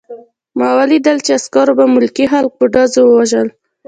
ما ولیدل چې عسکرو به ملکي خلک په ډزو وژل